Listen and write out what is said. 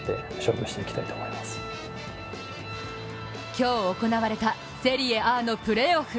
今日、行われたセリエＡのプレーオフ。